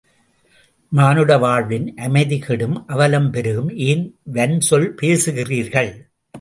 மானுட வாழ்வின் அமைதி கெடும் அவலம் பெருகும் ஏன் வன்சொல் பேசுகிறீர்கள்?